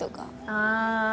ああ。